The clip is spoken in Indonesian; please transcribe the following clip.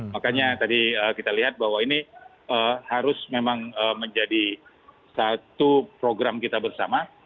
makanya tadi kita lihat bahwa ini harus memang menjadi satu program kita bersama